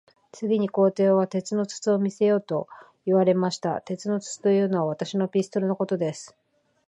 次に皇帝は、鉄の筒を見せよと言われました。鉄の筒というのは、私のピストルのことです。